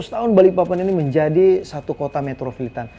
seratus tahun balikpapan ini menjadi satu kota metro filitan